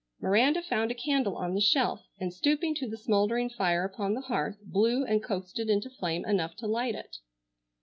Miranda found a candle on the shelf and, stooping to the smouldering fire upon the hearth, blew and coaxed it into flame enough to light it.